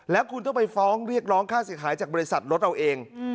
แล้วคุณต้องไปฟ้องเรียกร้องค่าเสียหายจากบริษัทรถเราเอง